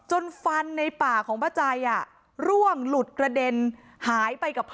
แต่จังหวะที่ผ่านหน้าบ้านของผู้หญิงคู่กรณีเห็นว่ามีรถจอดขวางทางจนรถผ่านเข้าออกลำบาก